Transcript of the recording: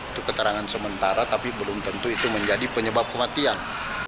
itu keterangan sementara tapi belum tentu itu menjadi penyebab kematian